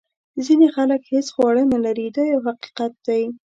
ځینې خلک هیڅ خواړه نه لري دا یو حقیقت دی.